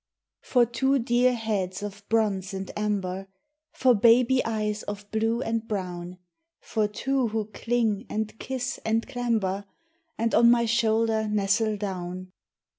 FOR two dear heads of bronze and amber, For baby eyes of blue and brown, For two who cling, and kiss, and clamber, And on my shoulder nestle down.